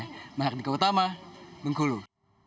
pada m technology merkutma beng kuluh